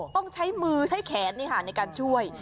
ต้องใช้มือใช้แขนในการช่วย